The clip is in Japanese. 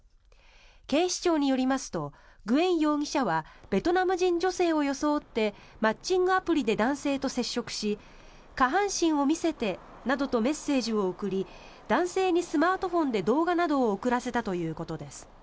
警視庁によりますとグエン容疑者はベトナム人女性を装ってマッチングアプリで男性と接触し下半身を見せてなどとメッセージを送り男性にスマートフォンで動画などを送らせたということです。